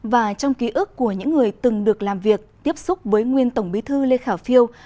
và trong ký ức của những người từng được làm việc tiếp xúc với nguyên tổng bí thư lê khả phiêu